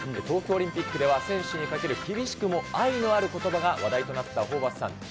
東京オリンピックでは選手にかける厳しくも愛のあることばが話題となったホーバスさん。